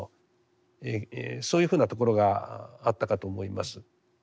そういうふうなところがあったかと思います。